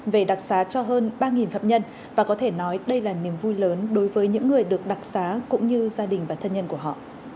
về đặc xá cho hơn ba phạm nhân và có thể nói đây là niềm vui lớn đối với những người được đặc xá cũng như gia đình và thân nhân của họ